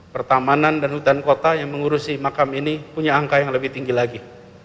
pertamanan dan hutan kota yang mengurusi makam ini punya angka yang lebih tinggi lagi